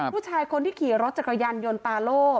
ผู้ชายคนที่ขี่รถจักรยานยนต์ตาโล่